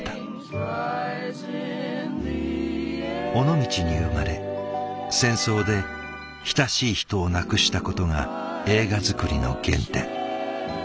尾道に生まれ戦争で親しい人を亡くしたことが映画作りの原点。